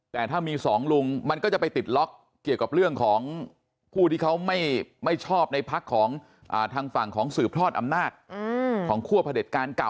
แต่ถ้ามีสองลุงมันก็จะไปติดล็อกเกี่ยวกับเรื่องของผู้ที่เขาไม่ชอบในพักของทางฝั่งของสืบทอดอำนาจของคั่วพระเด็จการเก่า